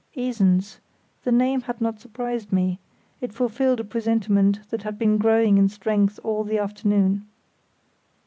Esens—the name had not surprised me; it fulfilled a presentiment that had been growing in strength all the afternoon.